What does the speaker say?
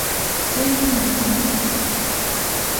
十分に悲しむ